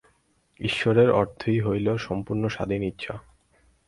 ঈশ্বরের অর্থই হইল সম্পূর্ণ স্বাধীন ইচ্ছা।